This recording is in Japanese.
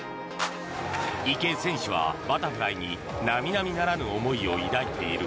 池江選手はバタフライに並々ならぬ思いを抱いている。